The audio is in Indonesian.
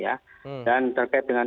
ya kita sudah mengambil tempat yang aman